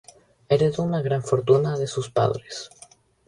Heredó una gran fortuna de sus padres.